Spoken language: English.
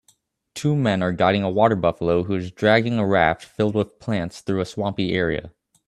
Two men are guiding a water buffalo who is dragging a raft filled with plants through a swampy area